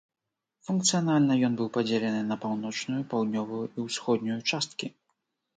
Функцыянальна ён быў падзелены на паўночную, паўднёвую і ўсходнюю часткі.